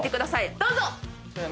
どうぞ！